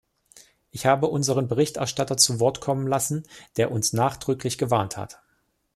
Ich habe unseren Berichterstatter zu Wort kommen lassen, der uns nachdrücklich gewarnt hat.